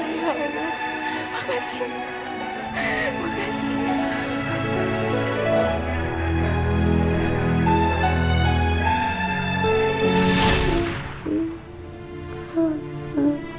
terima kasih ibu